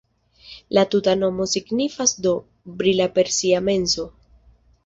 La tuta nomo signifas do: brila per sia menso.